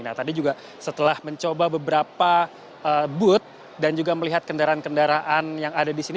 nah tadi juga setelah mencoba beberapa booth dan juga melihat kendaraan kendaraan yang ada di sini